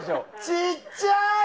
ちっちゃい！